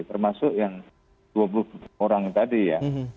termasuk yang dua puluh orang tadi ya